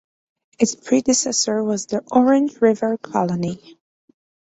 Its predecessor was the Orange River Colony.